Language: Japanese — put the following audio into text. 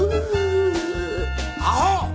アホ！